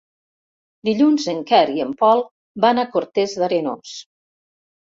Dilluns en Quer i en Pol van a Cortes d'Arenós.